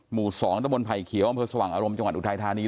หมู่๒ตะบนไผ่เขียวอำเภอสว่างอารมณ์จังหวัดอุทัยธานี